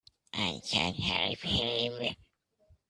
I can help him!